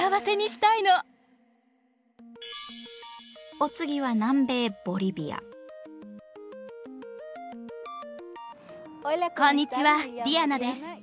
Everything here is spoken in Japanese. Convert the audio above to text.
お次は南米こんにちはディアナです。